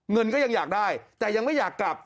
เงินก็ยังอยากได้แต่ยังไม่อยากกลับ